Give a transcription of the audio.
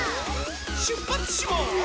しゅっぱつします！